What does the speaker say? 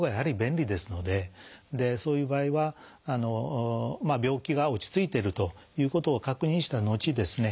そういう場合は病気が落ち着いてるということを確認した後ですね